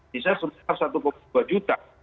bisa sebesar satu dua juta